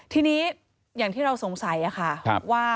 ทีนี้อย่างที่เราสงสัยค่ะว่า